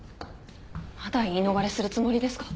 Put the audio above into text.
まだ言い逃れするつもりですか。